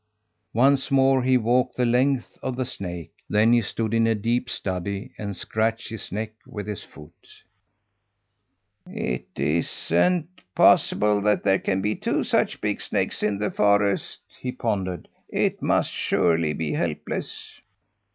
Once more he walked the length of the snake; then he stood in a deep study, and scratched his neck with his foot. "It isn't possible that there can be two such big snakes in the forest," he pondered. "It must surely be Helpless!"